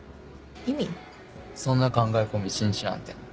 そんな考え込む一日なんて。